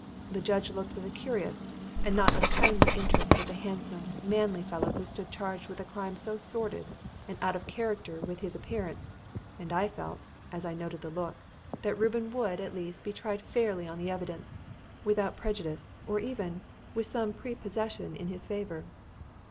The judge looked with a curious and not unkindly interest at the handsome, manly fellow who stood charged with a crime so sordid and out of character with his appearance, and I felt, as I noted the look, that Reuben would, at least, be tried fairly on the evidence, without prejudice or even with some prepossession in his favour.